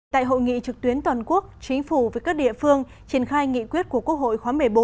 tại hội nghị trực tuyến toàn quốc chính phủ với các địa phương triển khai nghị quyết của quốc hội khóa một mươi bốn